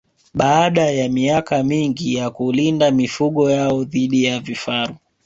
Baada ya miaka mingi ya kulinda mifugo yao dhidi ya vifaru